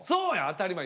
当たり前。